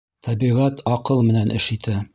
Тәбиғәт аҡыл менән эш итә.